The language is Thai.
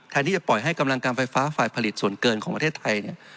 ที่จะปล่อยให้กำลังการไฟฟ้าฝ่ายผลิตส่วนเกินของประเทศไทยเนี่ย